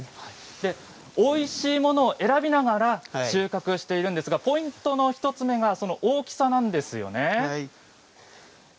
おいしいものを選びながら収穫しているんですがポイントの１つ目が大きさなんですよね。